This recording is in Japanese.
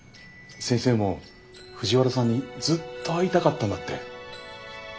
先生も藤原さんにずっと会いたかったんだって。